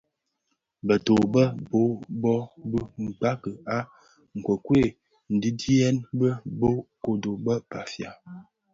Bë dho be bō bhög bi kpagi a nkokuel ndiňiyèn bi bë kodo bë Bafia.